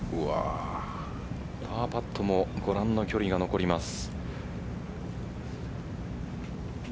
パーパットもご覧の距離が残ります。